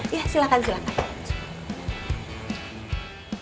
iya silahkan silahkan